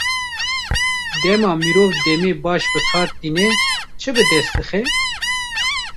Dema mirov demê baş bi kar tîne, çi bi dest dixe?